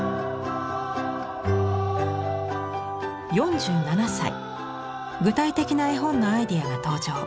４７歳具体的な絵本のアイデアが登場。